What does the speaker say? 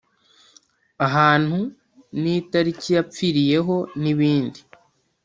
ahantu n itariki yapfiriyeho n ibindi